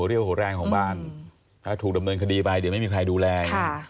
เรียกหัวแรงของบ้านถ้าถูกดำเนินคดีไปเดี๋ยวไม่มีใครดูแล